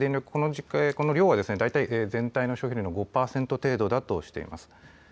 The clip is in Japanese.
この量は大体全体の消費量の５％程度だとしています。